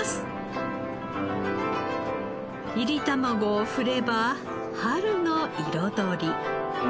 炒り卵を振れば春の彩り。